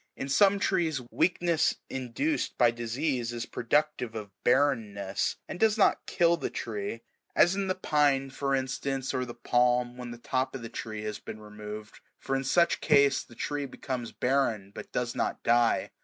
In some trees weakness induced by disease is productive of barrenness, and does not kill the tree ; as in the pine" for instance, or the palm, when the top of the tree has been removed ; for in such case the tree becomes barren, but does not die.